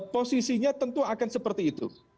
posisinya tentu akan seperti itu